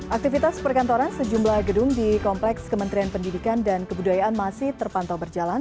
aktivitas perkantoran sejumlah gedung di kompleks kementerian pendidikan dan kebudayaan masih terpantau berjalan